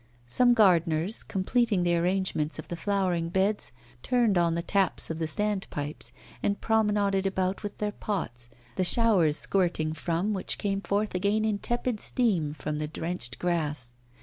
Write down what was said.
Some gardeners, completing the arrangements of the flower beds, turned on the taps of the stand pipes and promenaded about with their pots, the showers squirting from which came forth again in tepid steam from the drenched grass.